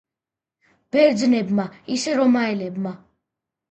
ბერძნებმა, ისე რომაელებმა.